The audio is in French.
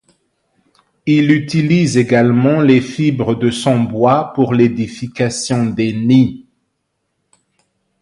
Il utilise également les fibres de son bois pour l'édification des nids.